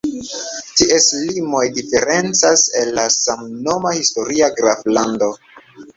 Ties limoj diferencas el la samnoma historia graflando.